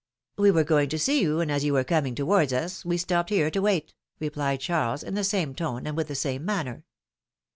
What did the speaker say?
We were going to see yon, and as you were coming towards us we stopped here to wait,^^ replied Charles in the same tone and with the same manner.